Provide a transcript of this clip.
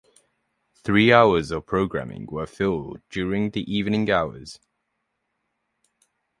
Three hours of programming were filled during the evening hours.